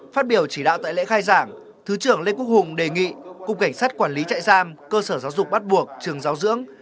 phát biểu chỉ đạo tại lễ khai giảng thứ trưởng lê quốc hùng đề nghị cục cảnh sát quản lý chạy giam cơ sở giáo dục bắt buộc trường giáo dưỡng